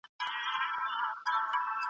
نړیوال قوانین د ټولو لپاره عادلانه دي.